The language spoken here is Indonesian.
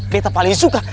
beta paling suka